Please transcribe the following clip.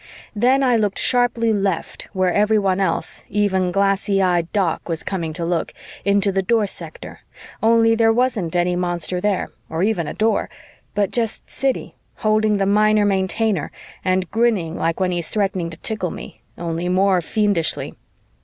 Then I looked sharply left where everyone else, even glassy eyed Doc, was coming to look, into the Door sector, only there wasn't any monster there or even a Door, but just Siddy holding the Minor Maintainer and grinning like when he is threatening to tickle me, only more fiendishly.